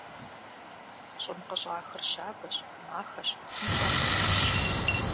Щӏым къыщӏахыр щабэщ, махэщ, псынщӏэу мэткӏу.